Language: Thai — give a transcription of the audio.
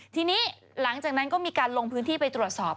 ทีนี้หลังจากนั้นก็มีการลงพื้นที่ไปตรวจสอบ